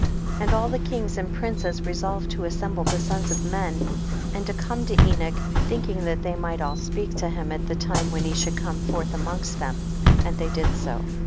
21. And all the kings and princes resolved to assemble the sons of men, and to come to Enoch, thinking that they might all speak to him at the time when he should come forth amongst them, and they did so.